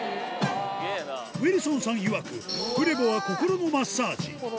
ウィルソンさんいわく、フレヴォは心のマッサージ。